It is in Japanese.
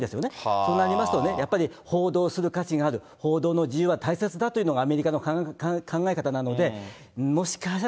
そうなりますと、やっぱり報道する価値がある、報道の自由は大切だというのがアメリカの考え方なので、もしかしたら、